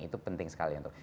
itu penting sekali untuk